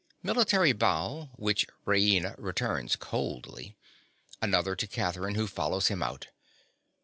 (_Military bow, which Raina returns coldly. Another to Catherine, who follows him out.